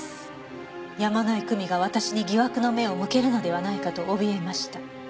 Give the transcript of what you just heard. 「山井久美が私に疑惑の目を向けるのではないかと怯えました」